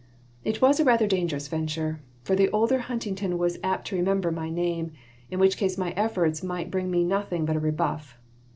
It was a rather dangerous venture, for the older Huntington was apt to remember my name, in which case my efforts might bring me nothing but a rebuff.